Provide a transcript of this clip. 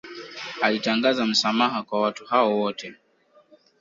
Alitangaza msamaha kwa watu hao wote